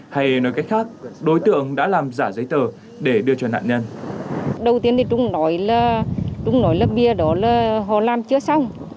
hay nói cách khác đối tượng đã làm giả giấy tờ để đưa cho nạn nhân